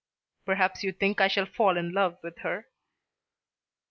"Perhaps you think I shall fall in love with her."